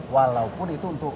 walaupun itu untuk